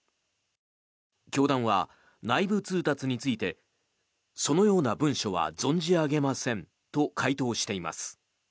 教団は内部通達についてそのような文書は存じ上げませんと回答しています。